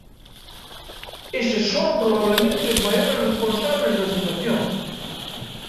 Eses son probablemente os maiores responsables da situación.